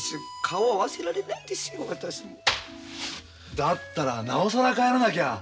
だったらなおさら帰らなきゃ。